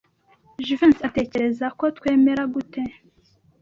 Jivency atekereza ko twemera gute?